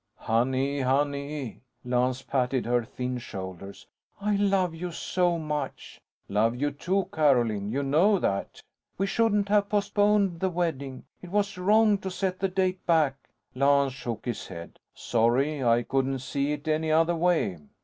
"Honey, honey!" Lance patted her thin shoulders. "I love you so much." "Love you, too, Carolyn. You know that." "We shouldn't have postponed the wedding. It was wrong to set the date back." Lance shook his head. "Sorry. I couldn't see it any other way."